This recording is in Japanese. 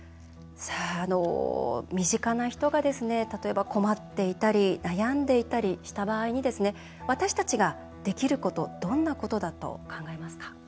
身近な人が、例えば困っていたり悩んでいたりした場合に私たちができることどんなことだと考えますか？